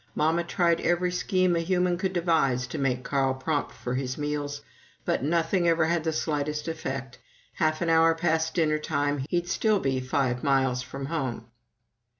Mamma tried every scheme a human could devise to make Carl prompt for his meals, but nothing ever had the slightest effect. Half an hour past dinner time he'd still be five miles from home.")